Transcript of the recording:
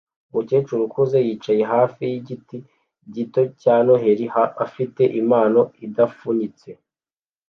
Umukecuru ukuze yicaye hafi yigiti gito cya Noheri afite impano idapfunyitse